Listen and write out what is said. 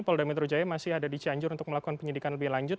pol damit rujaya masih ada di cianjur untuk melakukan penyidikan lebih lanjut